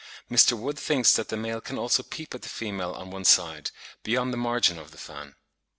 Mr. Wood thinks that the male can also peep at the female on one side, beyond the margin of the fan.